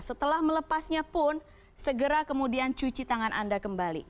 setelah melepasnya pun segera kemudian cuci tangan anda kembali